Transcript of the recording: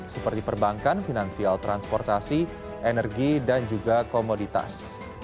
seperti perbankan finansial transportasi energi dan juga komoditas